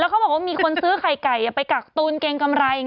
เขาบอกว่ามีคนซื้อไข่ไก่ไปกักตูนเกรงกำไร